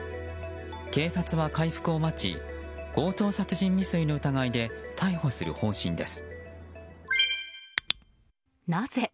警察は、回復を待ち強盗殺人未遂の疑いで逮捕する方針です。